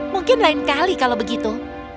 mungkin lain kali kalau begitu